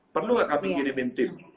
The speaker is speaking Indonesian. perlu nggak kami kirimin tim